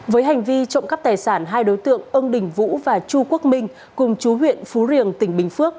với hành vi trộm cắp tài sản hai đối tượng ông đình vũ và chu quốc minh cùng chú huyện phú riềng tỉnh bình phước